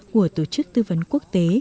của tổ chức tư vấn quốc tế